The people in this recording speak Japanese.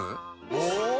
お！